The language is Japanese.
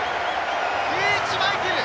リーチ・マイケル！